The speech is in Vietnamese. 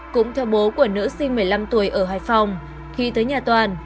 cũng theo bố của nữ sinh một mươi năm tuổi ở hải phòng khi tới nhà toàn